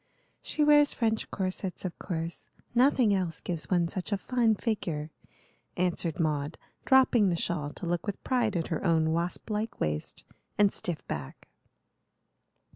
"She wears French corsets, of course. Nothing else gives one such a fine figure," answered Maud, dropping the shawl to look with pride at her own wasp like waist and stiff back.